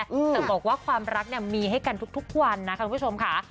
แต่บอกว่าความรักเนี่ยมีให้กันทุกวันนะคะคุณผู้ชมค่ะ